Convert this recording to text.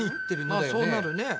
まあそうなるね。